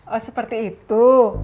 oh seperti itu